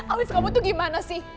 alice kamu tuh gimana sih